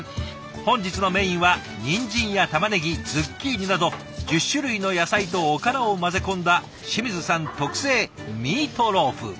本日のメインはニンジンやタマネギズッキーニなど１０種類の野菜とおからを混ぜ込んだ清水さん特製ミートローフ。